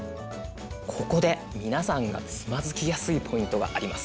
ここで皆さんがつまずきやすいポイントがあります。